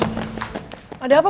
nggak ada apa apa